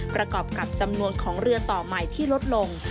ประกอบกับจำนวนของเรือต่อใหม่ที่ลดลง